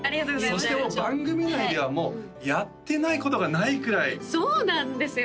そしてもう番組内ではやってないことがないくらいそうなんですよ